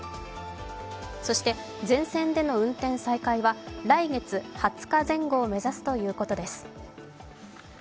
そして全線での運転再開は来月２０日前後を目指すということです。